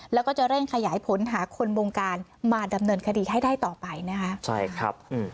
แล้วก็จะเร่งขยายผลหาคนบงการมาดำเนินคดีให้ได้ต่อไปนะคะใช่ครับอืม